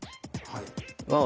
はい。